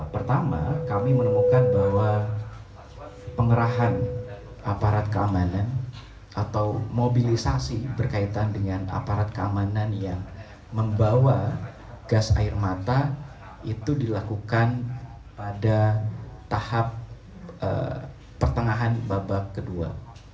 pertama kami menemukan bahwa pengerahan aparat keamanan atau mobilisasi berkaitan dengan aparat keamanan yang membawa gas air mata itu dilakukan pada tahap pertengahan babak kedua